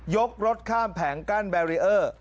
รถข้ามแผงกั้นแบรีเออร์